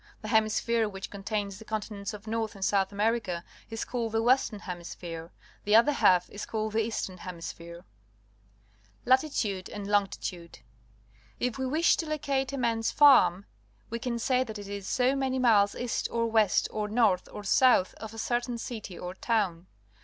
The hemisphere which contains the continents of North and South America is called the Western Hemisphere. The other half is called the Eastern Hemisphere. Latitude and Longitude. — If we wish to locate a man's farm, we can say that it is so many miles east or west or north or south of a certain city or town.